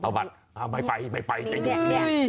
เอามาไม่ไปอย่างนี้